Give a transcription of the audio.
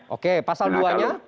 oke pasal duanya